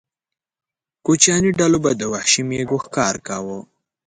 کوچیاني ډلو به د وحشي مېږو ښکار کاوه.